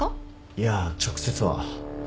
いや直接は